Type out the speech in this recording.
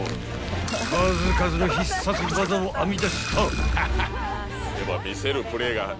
［数々の必殺技を編み出した］